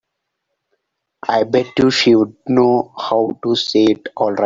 I bet you she'd know how to say it all right.